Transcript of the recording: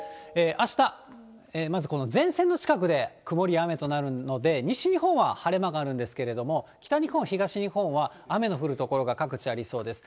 あした、まずこの前線の近くで曇りや雨となるので、西日本は晴れ間があるんですけれども、北日本、東日本は雨の降る所が各地ありそうです。